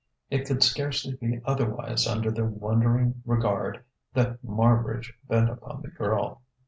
It could scarcely be otherwise under the wondering regard that Marbridge bent upon the girl.